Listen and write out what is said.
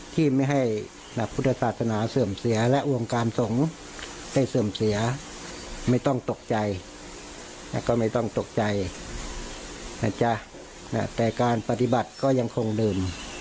ได้อะไรอย่างเชื่อไม่ต้องตกใจแต่การปฏิบัติก็ยังคงเดิม